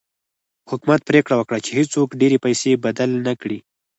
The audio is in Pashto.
حکومت پرېکړه وکړه چې هېڅوک ډېرې پیسې بدل نه کړي.